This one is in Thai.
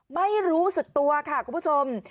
ไม่รู้สึกตัวค่ะคุณผู้ชม